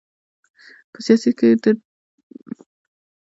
په سیاست کي د ټولني حساسيتونو ته بايد متوجي و اوسيږي.